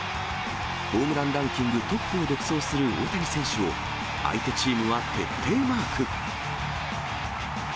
ホームランランキングトップを独走する大谷選手を、相手チームは徹底マーク。